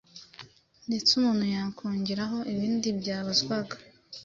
ndetse umuntu yakongeraho ibindi byabazwaga